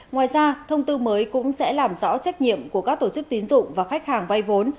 ngoài ra thông tư mới cũng sẽ làm rõ trách nhiệm của các tổ chức tín dụng và khách hàng vay vốn